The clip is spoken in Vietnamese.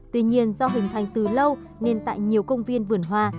tuy nhiên do hình thành từ lâu nên tại nhiều công viên vườn hoa